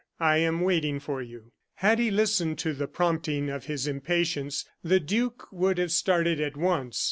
I am waiting for you." Had he listened to the prompting of his impatience, the duke would have started at once.